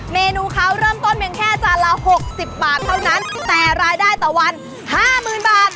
เมนูเขาเริ่มต้นเพียงแค่จานละ๖๐บาทเท่านั้นแต่รายได้ต่อวันห้าหมื่นบาท